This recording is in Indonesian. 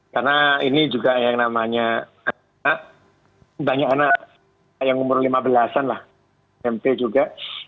karena ini juga yang namanya anak banyak anak yang umur lima belas an lah mp juga